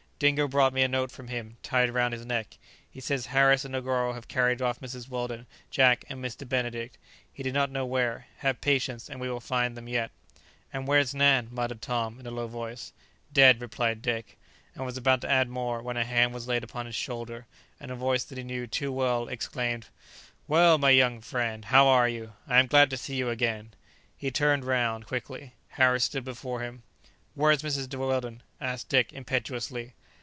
Dingo brought me a note from him, tied round his neck. He says Harris and Negoro have carried off Mrs. Weldon, Jack, and Mr. Benedict. He did not know where. Have patience, and we will find them yet." [Illustration: With a yell and a curse, the American fell dead at his feet.] "And where's Nan?" muttered Tom, in a low voice. "Dead," replied Dick, and was about to add more, when a hand was laid upon his shoulder, and a voice that he knew too well exclaimed, "Well, my young friend, how are you? I am glad to see you again." He turned round quickly. Harris stood before him. "Where is Mrs. Weldon?" asked Dick impetuously.